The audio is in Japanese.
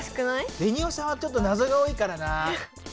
ベニオさんはちょっとなぞが多いからな。